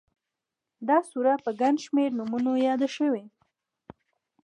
دا سوره په گڼ شمېر نومونو ياده شوې